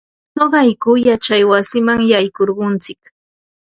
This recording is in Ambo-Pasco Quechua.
Nuqayku yachay wasiman yaykurquntsik.